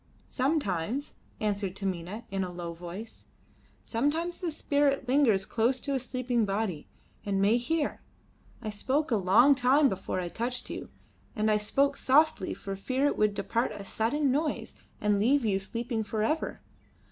"Sometimes," answered Taminah in a low voice; "sometimes the spirit lingers close to a sleeping body and may hear. I spoke a long time before I touched you, and I spoke softly for fear it would depart at a sudden noise and leave you sleeping for ever.